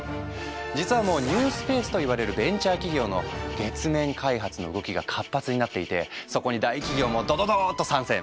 実はもう「ニュースペース」といわれるベンチャー企業の月面開発の動きが活発になっていてそこに大企業もドドドーッと参戦。